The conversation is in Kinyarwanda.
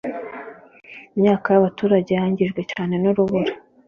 Imyaka y’abaturage yangijwe cyane n’urubura